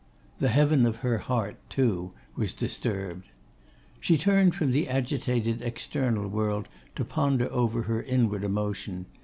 The heaven of her heart, too, was disturbed. She turned from the agitated external world to ponder over her inward emotion.